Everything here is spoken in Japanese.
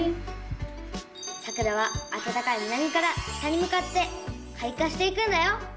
さくらはあたたかい南から北にむかってかい花していくんだよ。